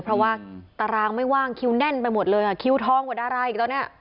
เพราะว่าตารางไม่ว่างคิวแน่นไปหมดเลยอ่ะคิวทองกว่าดาราอีกตอนนี้